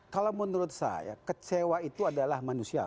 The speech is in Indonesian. kalau menurut saya kecewa itu adalah manusia